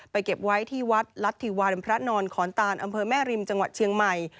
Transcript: เก็บไว้ที่วัดรัฐธิวันพระนอนขอนตานอำเภอแม่ริมจังหวัดเชียงใหม่